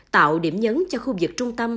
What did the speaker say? tạo điểm nhấn cho khu vực trung tâm